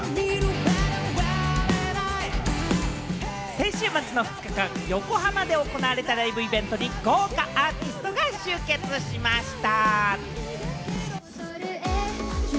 先週末の２日間、横浜で行われたライブイベントに豪華アーティストが集結しました。